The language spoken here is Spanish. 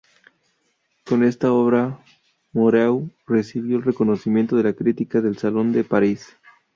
Con esta obra, Moreau recibió el reconocimiento de la crítica del salón de París.